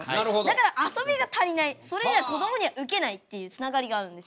だらかあそびが足りないそれじゃこどもにはウケないっていうつながりがあるんですよ。